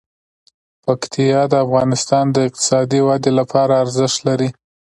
پکتیا د افغانستان د اقتصادي ودې لپاره ارزښت لري.